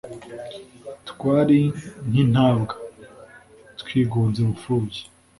twari nk'intabwa, twigunze bupfubyi